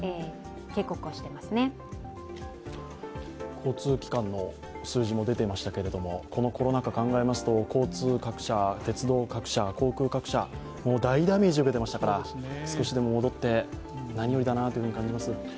交通機関の数字も出ていましたけどこのコロナ禍、考えますと交通各社、鉄道各社、航空各社、もう大ダメージ受けてましたから少しでも戻って何よりだなと感じます。